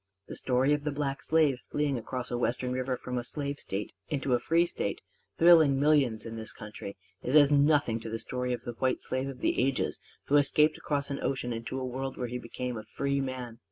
The story of the black slave fleeing across a Western river from a slave state into a free state, thrilling millions in this country, is as nothing to the story of the White Slave of the Ages who escaped across an ocean into a world where he became a free man.